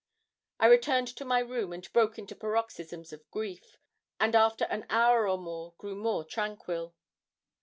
I returned to my room, and broke into paroxysms of grief, and after an hour or more grew more tranquil.